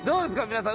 皆さん。